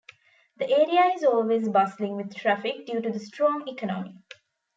The area is always bustling with traffic due to the strong economy.